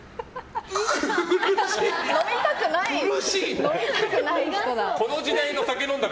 飲みたくない人だ。